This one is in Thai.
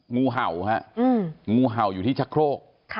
งูเห่าฮะงูเห่าอยู่ที่ชะโครก